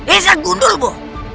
iseng gundul bu